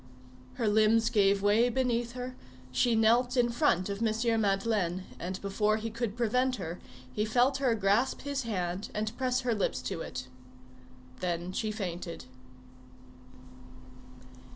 Her limbs gave way beneath her, she knelt in front of M. Madeleine, and before he could prevent her he felt her grasp his hand and press her lips to it. Then she fainted.